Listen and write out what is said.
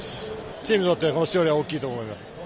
チームにとって、この勝利は大きいと思います。